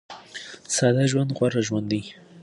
ساده ژوند غوره ژوند دی.